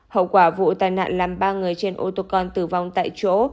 hậu quả vụ tai nạn làm ba người trên ô tô con tử vong tại chỗ